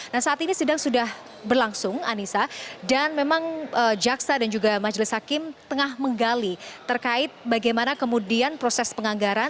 nah saat ini sidang sudah berlangsung anissa dan memang jaksa dan juga majelis hakim tengah menggali terkait bagaimana kemudian proses penganggaran